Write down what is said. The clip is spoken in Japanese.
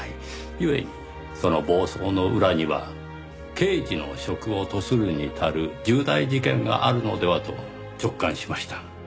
故にその暴走の裏には刑事の職を賭するに足る重大事件があるのではと直感しました。